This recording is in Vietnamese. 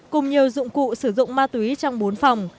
cùng nhiều dụng cụ sử dụng ma túy trong bốn phòng